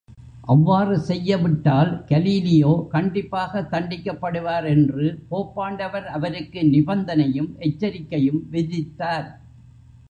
அவ்வாறு செய்ய விட்டால் கலீலியோ கண்டிப்பாகத்தண்டிக்கப்படுவார் என்று போப்பாண்டவர் அவருக்கு நிபந்தனையும், எச்சரிக்கையும் விதித்தார்.